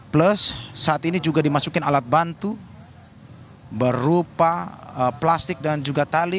plus saat ini juga dimasukin alat bantu berupa plastik dan juga tali